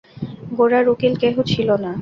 গোরার উকিল কেহ ছিল না।